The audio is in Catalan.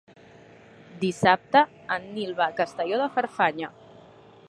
Dissabte en Nil va a Castelló de Farfanya.